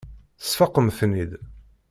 Tesfaqem-ten-id.